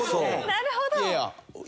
なるほど。